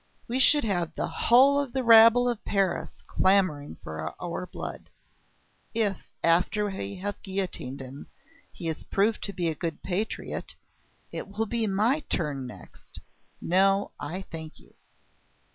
We should have the whole of the rabble of Paris clamouring for our blood. If, after we have guillotined him, he is proved to be a good patriot, it will be my turn next. No! I thank you!"